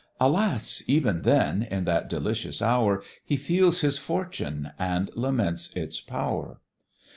Alas! even then, in that delicious hour, He feels his fortune, and laments its power.